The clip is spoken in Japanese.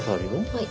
はい。